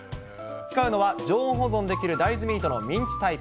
使うのは常温保存できる大豆ミートのミンチタイプ。